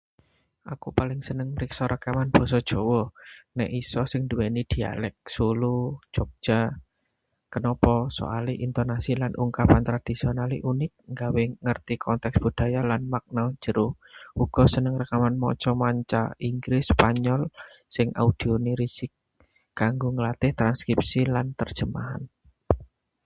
Aku paling seneng mriksa rekaman basa Jawa, nèk iso sing nduwèni dialek Solo, Yogyakarta. Kenapa? Soale intonasi lan ungkapan tradhisionalé unik, gawe ngerti konteks budaya lan makna jero. Uga seneng rekaman basa manca Inggris, Spanyol sing audio resik, kanggo nglatih transkripsi lan terjemahan.